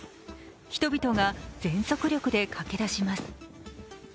人々が全速力で駆け出します。